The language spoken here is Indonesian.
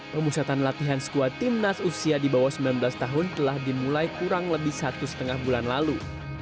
pemusatan latihan skuad timnas usia di bawah sembilan belas tahun telah dimulai kurang lebih satu setengah bulan lalu